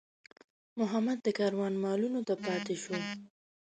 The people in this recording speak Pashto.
محمد د کاروان مالونو ته پاتې شو.